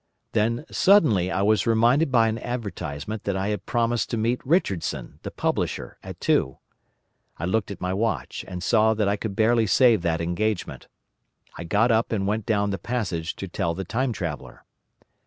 Then suddenly I was reminded by an advertisement that I had promised to meet Richardson, the publisher, at two. I looked at my watch, and saw that I could barely save that engagement. I got up and went down the passage to tell the Time Traveller.